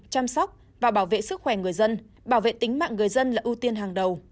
chăm sóc và bảo vệ sức khỏe người dân bảo vệ tính mạng người dân là ưu tiên hàng đầu